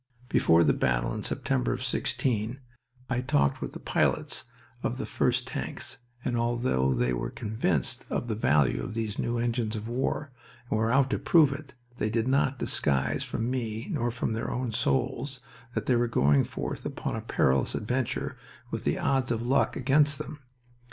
Before the battle in September of '16 I talked with the pilots of the first tanks, and although they were convinced of the value of these new engines of war and were out to prove it, they did not disguise from me nor from their own souls that they were going forth upon a perilous adventure with the odds of luck against them.